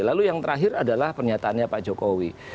lalu yang terakhir adalah pernyataannya pak jokowi